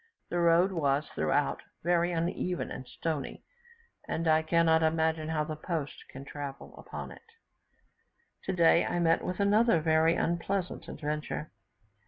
The road was, throughout, very uneven and stony, and I cannot imagine how the post can travel upon it. Today I met with another very unpleasant adventure.